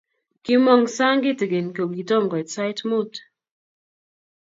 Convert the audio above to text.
kimong sang kitingin kogitomo koit sait muut